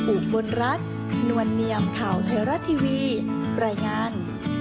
อุบลรัฐนวลเนียมข่าวไทยรัฐทีวีรายงาน